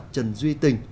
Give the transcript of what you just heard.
trần duy tình